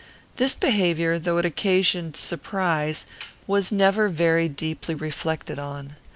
This behaviour, though it occasioned surprise, was never very deeply reflected on.